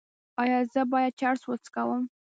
ایا زه باید چرس وڅکوم؟